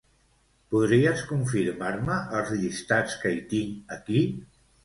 Podries confirmar-me els llistats que hi tinc aquí?